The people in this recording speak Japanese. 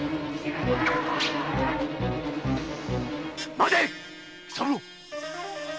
待て喜三郎！